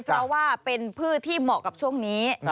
เพราะว่าเป็นพืชที่เหมาะกับช่วงนี้